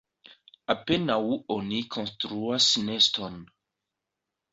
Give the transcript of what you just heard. Apenaŭ oni konstruas neston.